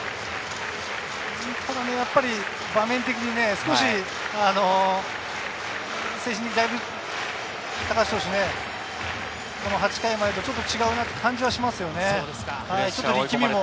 やっぱり場面的に少し、精神的にだいぶ高橋投手、８回までと違うなという感じがしますね。